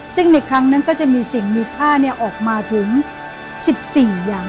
ซึ่งในครั้งนั้นก็จะมีสิ่งมีค่าออกมาถึง๑๔อย่าง